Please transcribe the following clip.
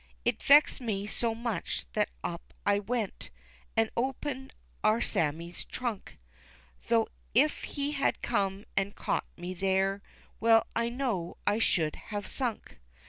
It vexed me so much, that up I went An' opened our Sammie's trunk, Though if he had come an' caught me there Well, I know I should have sunk.